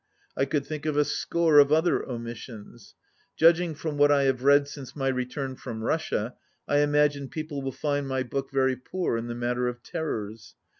I could think of a score of other omissions. Judging from what I have read since my return from Russia, I imagine people will find my book very poor in the matter of Terrors.